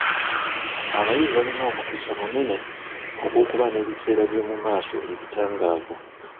Abayizi balina omukisa munene ogw'okuba n'ebiseera by'omu maaso ebitangaavu.